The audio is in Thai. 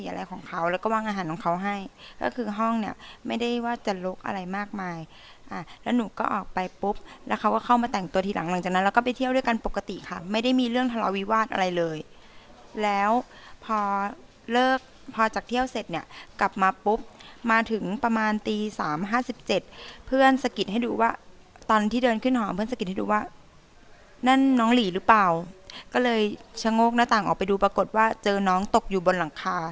อะไรของเขาแล้วก็ว่างอาหารของเขาให้ก็คือห้องเนี่ยไม่ได้ว่าจะลุกอะไรมากมายอ่ะแล้วหนูก็ออกไปปุ๊บแล้วเขาก็เข้ามาแต่งตัวทีหลังหลังจากนั้นเราก็ไปเที่ยวด้วยกันปกติค่ะไม่ได้มีเรื่องทะเลาวิวาสอะไรเลยแล้วพอเลิกพอจากเที่ยวเสร็จเนี่ยกลับมาปุ๊บมาถึงประมาณตีสามห้าสิบเจ็ดเพื่อนสะกิดให้ดูว่าตอนที่เดินขึ้